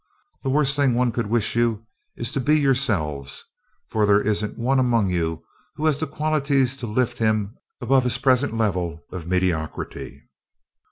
The worst thing one could wish you is to be yourselves, for there isn't one among you who has the qualities to lift him above his present level of mediocrity."